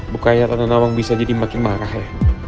bukannya tante nawang bisa jadi makin marah ya